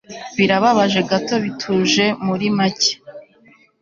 Birababaje gato bituje muri make